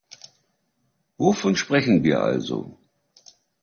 Wovon sprechen wir also?